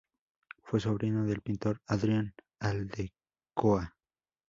Fue sobrino del pintor Adrián Aldecoa.